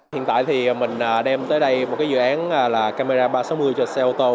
hiện tại thì mình đem tới đây một dự án là camera ba trăm sáu mươi cho xe ô tô